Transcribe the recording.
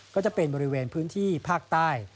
ก็จะเป็นบริเวณพื้นที่ภาคใต้